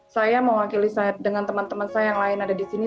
saya mewakili dengan teman teman saya yang lain ada di sini